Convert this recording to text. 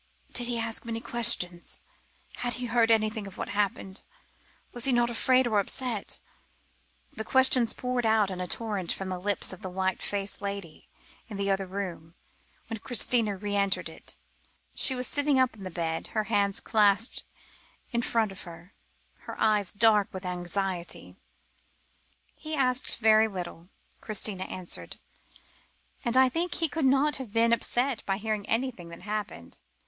"Did he ask many questions? Had he heard anything of what happened? He was not frightened or upset?" The questions poured out in a torrent from the lips of the white faced woman in the other room, when Christina re entered it. She was sitting up in the bed, her hands clasped in front of her, her eyes dark with anxiety. "He asked very little," Christina answered, "and I think he could not have been upset by hearing anything that happened.